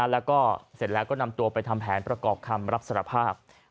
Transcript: แล้วก็เสร็จแล้วก็นำตัวไปทำแผนประกอบคำรับสารภาพ